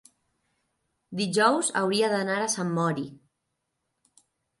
dijous hauria d'anar a Sant Mori.